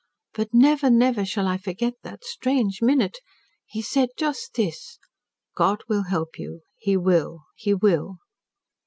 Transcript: But never, never shall I forget that strange minute. He said just this: "'God will help you. He will. He will.'